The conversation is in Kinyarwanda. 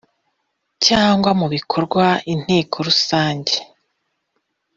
cyangwa mu bikorwa inteko rusange